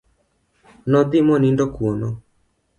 No dhi monindo kuno.